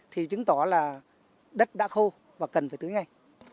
thì chứng tỏ là đất đã khô và cần phải tưới ngay